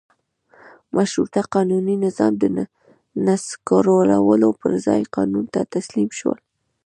مشروطه قانوني نظام د نسکورولو پر ځای قانون ته تسلیم شول.